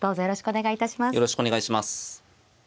よろしくお願いします。